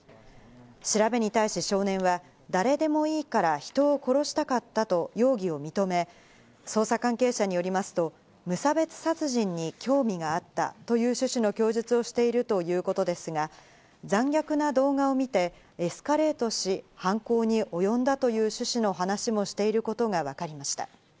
調べに対し、少年は誰でもいいから人を殺したかったと容疑を認め、捜査関係者によりますと無差別殺人に興味があったという趣旨の供述をしているということですが、残虐な動画を見てエスカレートし犯行におよんだという趣旨の話もしていることがわかりました。